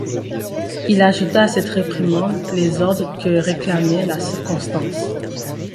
Il ajouta à cette réprimande les ordres que réclamait la circonstance.